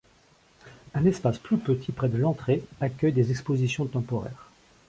Un espace plus petit, près de l'entrée, accueille des exposition temporaires.